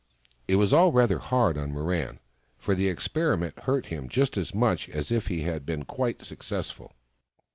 It was all rather hard on Mirran, for the experi ment hurt him just as much as if it had been quite successful.